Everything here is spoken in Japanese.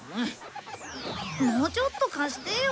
もうちょっと貸してよ。